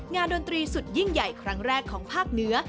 ดนตรีสุดยิ่งใหญ่ครั้งแรกของภาคเหนือ